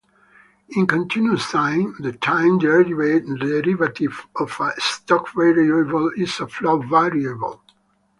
In continuous time, the time derivative of a stock variable is a flow variable.